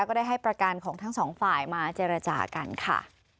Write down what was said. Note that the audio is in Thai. ก็ได้ให้ประกันของทั้งสองฝ่ายมาเจรจากันค่ะ